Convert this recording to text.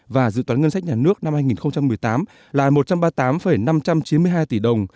và dự toán ngân sách nhà nước năm hai nghìn một mươi tám là một trăm ba mươi tám năm trăm chín mươi hai tỷ đồng